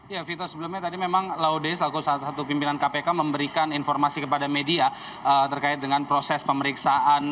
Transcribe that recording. ya vito sebelumnya tadi memang laude selaku salah satu pimpinan kpk memberikan informasi kepada media terkait dengan proses pemeriksaan